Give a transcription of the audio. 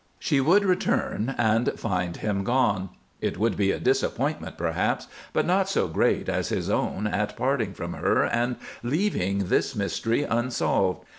She would return and find him gone. It would be a disappointment, perhaps, but not so great as his own at parting from her and leaving this mystery unsolved.